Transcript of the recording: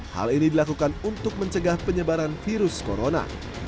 hal ini dilakukan untuk mencegah penyebaran virus corona